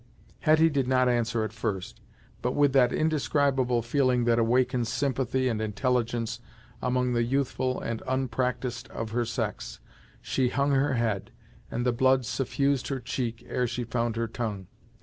Hetty did not answer at first, but, with that indescribable feeling that awakens sympathy and intelligence among the youthful and unpracticed of her sex, she hung her head, and the blood suffused her cheek ere she found her tongue.